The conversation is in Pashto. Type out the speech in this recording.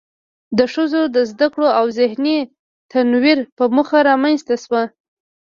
د ښځو د زده کړو او ذهني تنوير په موخه رامنځ ته شوه.